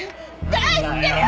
返してよ！